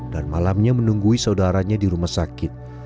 dan malamnya menunggu saudaranya di rumah sakit